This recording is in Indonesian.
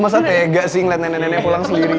enggak sih ngeliat nenek nenek pulang sendiri